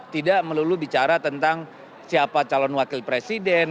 tidak melulu bicara tentang siapa calon wakil presiden